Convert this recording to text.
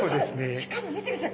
しかも見てください。